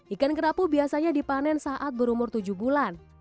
ikan kerapu biasanya dipanen saat berumur tujuh bulan